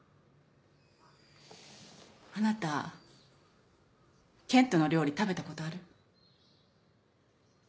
あなた賢人の料理食べたことある？